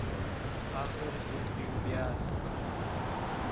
آخر ہِک ݙِین٘ہوں ٻِیال